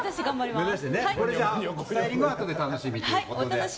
スタイリングはあとのお楽しみということで。